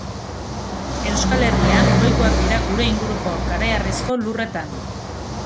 Euskal Herrian ohikoak dira gure inguruko kareharrizko lurretan.